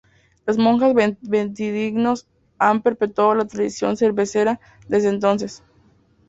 Los monjes benedictinos han perpetuado la tradición cervecera desde entonces.